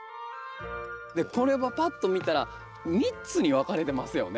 これはパッと見たら３つに分かれてますよね。